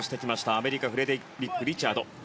アメリカフレデリック・リチャード。